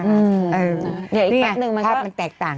นี่ไงภาพมันแตกต่าง